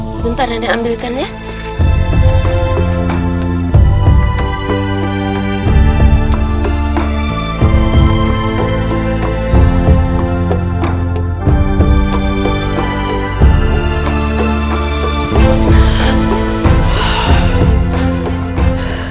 sebentar nek ambilkan ya